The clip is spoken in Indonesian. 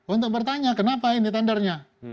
untuk bertanya kenapa ini tendernya